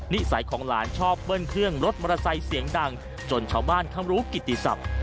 นิสัยของหลานชอบเบิ้ลเครื่องรถมอเตอร์ไซค์เสียงดังจนชาวบ้านเขารู้กิติศัพท์